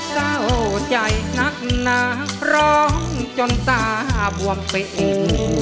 สาวใจหนักหนักร้องจนตาบวมไปอีก